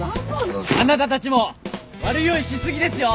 あなたたちも悪酔いし過ぎですよ！